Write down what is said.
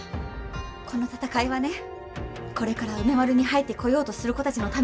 この闘いはねこれから梅丸に入ってこようとする子たちのための闘いでもあるの。